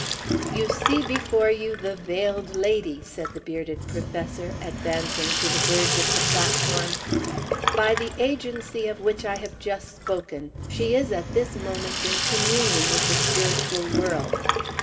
"You see before you the Veiled Lady," said the bearded Professor, advancing to the verge of the platform. "By the agency of which I have just spoken, she is at this moment in communion with the spiritual world.